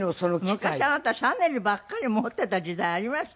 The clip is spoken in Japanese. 昔あなたシャネルばっかり持ってた時代ありましたよね。